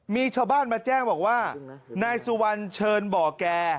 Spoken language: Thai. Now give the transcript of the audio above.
มีชาวบ้านมาแจ้งบอกว่านายสุวรรณเชิญบ่อแก่